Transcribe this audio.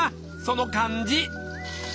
その感じ。